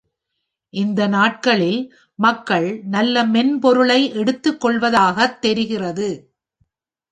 இந்த நாட்களில் மக்கள் நல்ல மென்பொருளை எடுத்துக்கொள்வதாகத் தெரிகிறது.